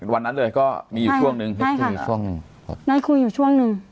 วันนั้นเลยก็มีอยู่ช่วงนึงได้คุยอยู่ช่วงนึง